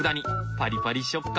パリパリ食感！